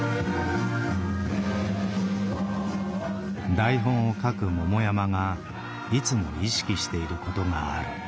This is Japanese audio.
台本を書く桃山がいつも意識していることがある。